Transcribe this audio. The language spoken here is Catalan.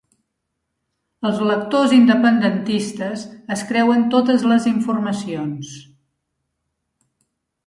Els lectors independentistes es creuen totes les informacions